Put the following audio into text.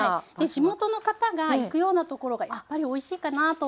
地元の方が行くようなところがやっぱりおいしいかなと思って。